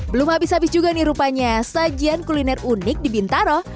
belum habis habis juga nih rupanya sajian kuliner unik di bintaro